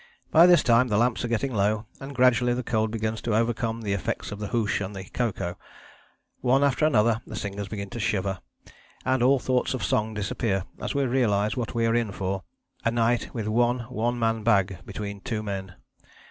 By this time the lamps are getting low, and gradually the cold begins to overcome the effects of the hoosh and the cocoa. One after another the singers begin to shiver, and all thoughts of song disappear as we realize what we are in for. A night with one one man bag between two men!